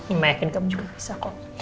emang yakin kamu juga bisa kok